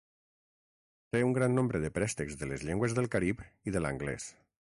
Té un gran nombre de préstecs de les llengües del Carib i de l'anglès.